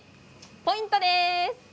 ポイントです。